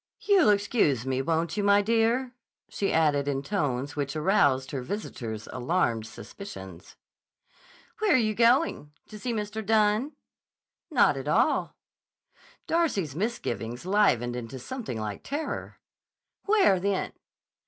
"You'll excuse me, won't you, my dear?" she added in tones which aroused her visitor's alarmed suspicions. "Where are you going? To see Mr. Dunne?" "Not at all." Darcy's misgivings livened into something like terror. "Where, then?"